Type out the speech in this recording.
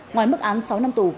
ngoài mức án sáu năm tù